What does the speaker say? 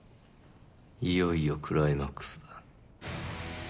いよいよクライマックスだ。